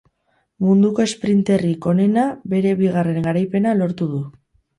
Munduko esprinterrik onena bere bigarren garaipena lortu du.